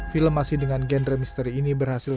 film masih dengan genre misteri ini berhasil